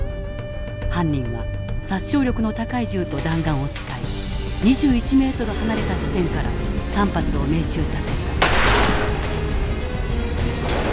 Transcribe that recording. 犯人は殺傷力の高い銃と弾丸を使い２１ｍ離れた地点から３発を命中させた。